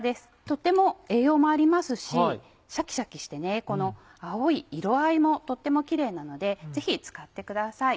とっても栄養もありますしシャキシャキしてこの青い色合いもとってもキレイなのでぜひ使ってください。